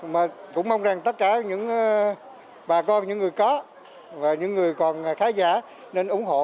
mà cũng mong rằng tất cả những bà con những người có và những người còn khá giả nên ủng hộ